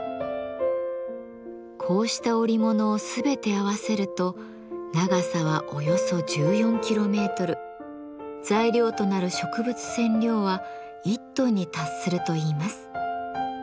こうした織物を全て合わせると長さはおよそ１４キロメートル材料となる植物染料は１トンに達するといいます。